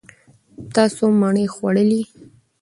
تاسو مڼې وخوړلې.